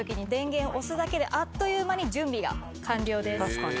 確かに。